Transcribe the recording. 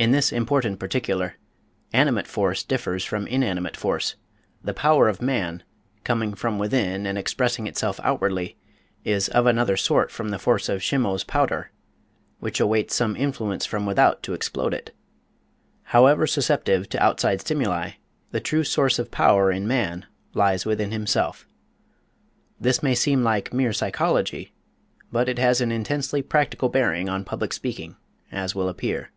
In this important particular, animate force differs from inanimate force the power of man, coming from within and expressing itself outwardly, is of another sort from the force of Shimose powder, which awaits some influence from without to explode it. However susceptive to outside stimuli, the true source of power in man lies within himself. This may seem like "mere psychology," but it has an intensely practical bearing on public speaking, as will appear.